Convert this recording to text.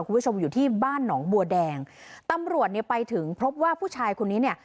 คุณผู้ชมอยู่ที่บ้านหนองบัวแดงตำรวจเนี่ยไปถึงพบว่าผู้ชายคนนี้เนี่ย